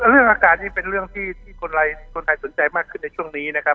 เรื่องอากาศนี่เป็นเรื่องที่คนไทยสนใจมากขึ้นในช่วงนี้นะครับ